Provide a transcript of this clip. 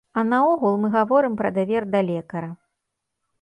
А наогул, мы гаворым пра давер да лекара.